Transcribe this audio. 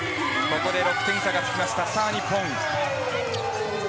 ここで６点差が付きました。